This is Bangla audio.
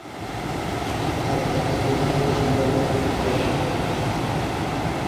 তার চাচাতো ভাই ডিসেম্বর মাসে মৃত্যুবরণ করে।